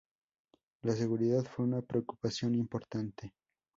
La seguridad fue una preocupación importante.